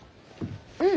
うん。